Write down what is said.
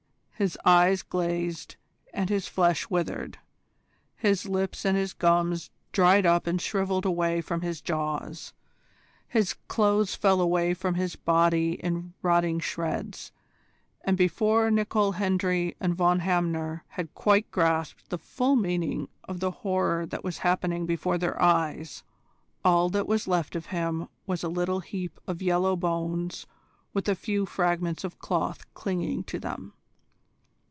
His eyes glazed and his flesh withered; his lips and his gums dried up and shrivelled away from his jaws. His clothes fell away from his body in rotting shreds, and before Nicol Hendry and Von Hamner had quite grasped the full meaning of the horror that was happening before their eyes, all that was left of him was a little heap of yellow bones with a few fragments of cloth clinging to them.